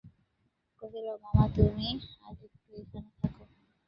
কহিল, মামা, তুমি আর-একটু এইখানে থাকো।